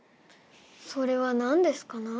それは何ですかな？